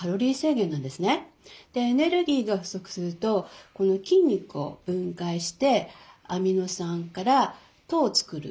エネルギーが不足すると筋肉を分解してアミノ酸から糖を作る。